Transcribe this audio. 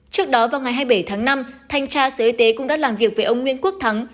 trước đó vào ngày hai mươi bảy tháng năm thanh tra sở y tế cũng đã làm việc với ông nguyễn quốc thắng